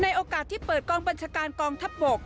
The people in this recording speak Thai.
โอกาสที่เปิดกองบัญชาการกองทัพบก